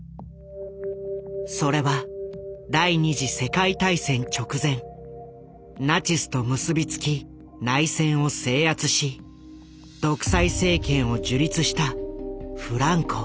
それは第２次世界大戦直前ナチスと結び付き内戦を制圧し独裁政権を樹立したフランコ。